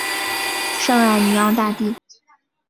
圣艾尼昂大地。